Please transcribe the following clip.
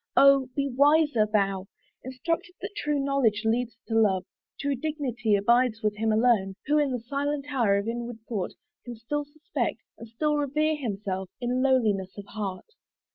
O, be wiser thou! Instructed that true knowledge leads to love, True dignity abides with him alone Who, in the silent hour of inward thought, Can still suspect, and still revere himself, In lowliness of heart.